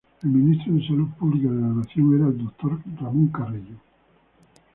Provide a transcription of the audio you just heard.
El Ministro de Salud Pública de la Nación era el Dr. Ramón Carrillo.